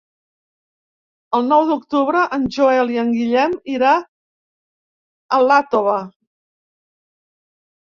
El nou d'octubre en Joel i en Guillem iran a Iàtova.